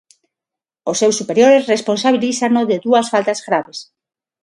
Os seus superiores responsabilízano de dúas faltas graves.